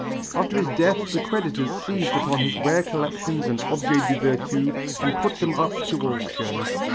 At his death the creditors seized upon his rare collections and objets de virtu and put them up to auction.